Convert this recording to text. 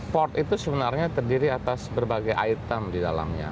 port itu sebenarnya terdiri atas berbagai item di dalamnya